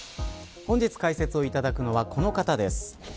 本日解説をいただくのはこの方です。